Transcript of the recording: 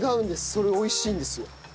それ美味しいんですよ。